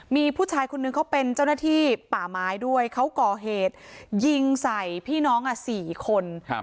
มีผู้ชายคนนึงเขาเป็นเจ้าหน้าที่ป่าไม้ด้วยเขาก่อเหตุยิงใส่พี่น้อง๔คน